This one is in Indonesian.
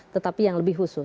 tetapi yang lebih khusus